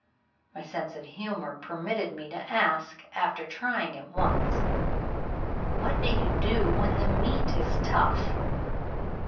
My sense of humor permitted me to ask, after trying it once, "What do you do when the meat is tough?"